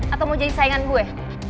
atau mau jadi saingan gue